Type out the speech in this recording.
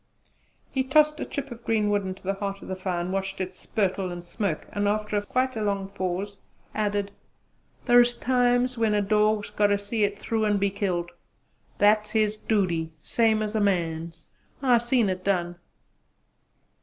He tossed a chip of green wood into the heart of the fire and watched it spurtle and smoke, and after quite a long pause, added: "Thar's times when a dawg's got to see it through an' be killed. It's his dooty same as a man's. I seen it done!"